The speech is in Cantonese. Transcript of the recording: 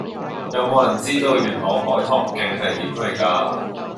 有無人知道元朗海棠徑係點去㗎